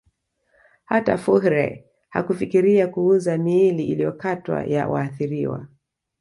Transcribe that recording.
Hata Fuhrer hakufikiria kuuza miili iliyokatwa ya waathiriwa